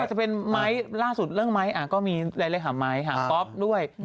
จะเป็นไม้ล่าสุดเรื่องไม้ก็มีหลายเลขหาไม้หาป๊อปด้วย